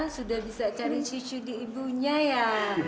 sudah bisa cari cucu di ibunya ya